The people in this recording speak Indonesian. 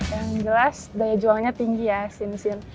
yang jelas daya juangnya tinggi ya sinti